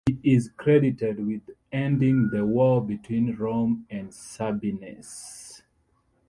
She is credited with ending the war between Rome and the Sabines.